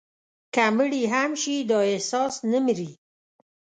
که مړي هم شي، دا احساس نه مري»